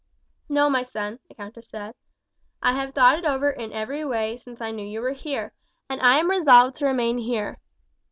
"No, my son," the countess said. "I have thought it over in every way since I knew you were here, and I am resolved to remain here.